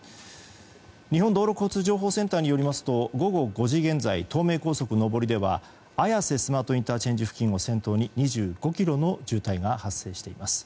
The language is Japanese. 日本道路交通情報センターによりますと、午後５時現在東名高速上りでは綾瀬スマートＩＣ付近を先頭に２５ｋｍの渋滞が発生しています。